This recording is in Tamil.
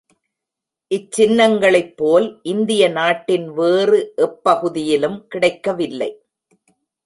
இச் சின்னங்களைப் போல் இந்திய நாட்டின் வேறு எப் பகுதியிலும் கிடைக்கவில்லை.